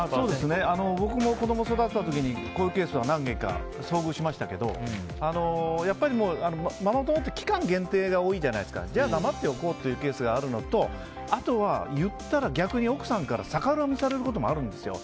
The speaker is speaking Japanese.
僕も子供を育てた時こういうケースに何件か遭遇しましたけど、やっぱりママ友って期間限定が多いから黙っておこうというケースがあるのとあとは、言ったら逆に奥さんから逆恨みされることもあるんですよ。